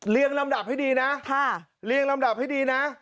เลี่ยงลำดับให้ดีนะเลี่ยงลำดับให้ดีนะ